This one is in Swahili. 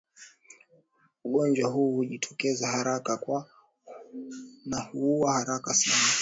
Ugonjwa huu hujitokeza haraka na kuua haraka sana